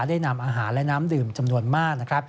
ได้นำอาหารและน้ำดื่มจำนวนมาก